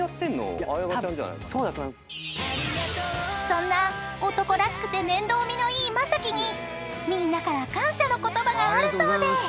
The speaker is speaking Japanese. ［そんな男らしくて面倒見のいい雅紀にみんなから感謝の言葉があるそうで］